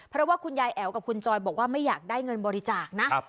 เพราะว่าคุณยายแอ๋วกับคุณจอยบอกว่าไม่อยากได้เงินบริจาคนะ